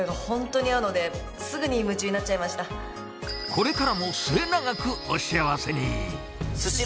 これからも末永くお幸せに